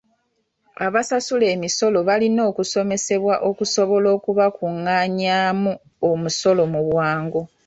Abasasula emisolo balina okusomesebwa okusobola okubakungaanyaamu omusolo mu bwangu.